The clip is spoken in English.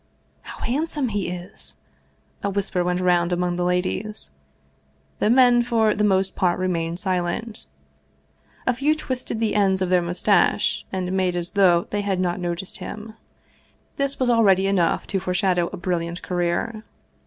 " How handsome he is !" a whisper went round among the ladies. The men for the most part remained silent. A few twisted the ends of their mustache and made as though they had not noticed him. This was already enough to foreshadow a brilliant career.